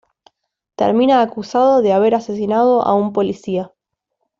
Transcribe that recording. Termina acusado de haber asesinado a un policía.